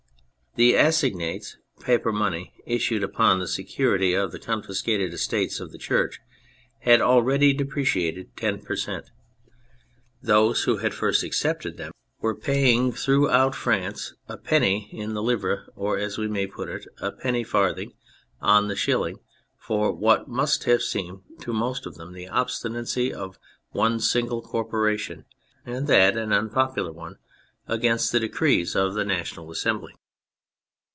The assignats, paper money issued upon the security of the confiscated estates of the Church, had already depreciated 10 per cent. Those who had first accepted them were paying THE CATHOLIC CHURCH 243 throughout France a penny in the livre, or as we may put it, a penny farthing on the shilling, for what must have seemed to most of them the obstinacy of one single corpora tion — and that an unpopular one — against the decrees of the National Assembly.